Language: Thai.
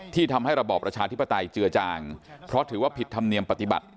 ทำให้ระบอบประชาธิปไตยเจือจางเพราะถือว่าผิดธรรมเนียมปฏิบัติ